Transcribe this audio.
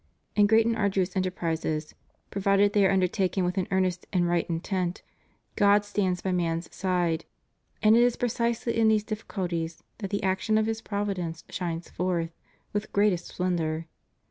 In great and arduous enterprises, provided they are un dertaken with an earnest and right intent, God stands by man's side, and it is precisely in these difficulties that the action of His providence shines forth with greatest splendor.